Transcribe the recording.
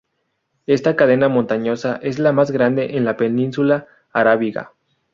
Esta cadena montañosa es la más grande en la península arábiga.